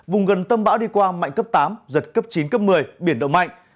vùng gần tâm bão đi qua mạnh cấp tám giật cấp chín cấp một mươi biển động mạnh